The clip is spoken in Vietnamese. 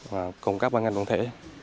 là cộng cấp bàn ngành vận thể